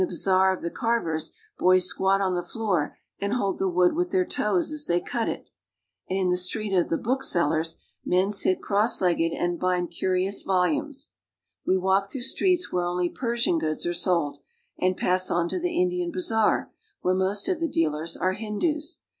bazaar of the carvers, boys squat on the floor and hold the wood with their toes as they cut it, and in the street of the be J he ^H ALEXANDRIA AND CAIRO lOI booksellers, men sit cross legged and bind curious vol umes. We walk through streets where only Persian goods are sold, and pass on lo the Indian bazaar, where most of the dealers are Hindoos.